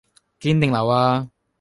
堅定流呀？